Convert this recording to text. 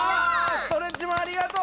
ストレッチマンありがとう！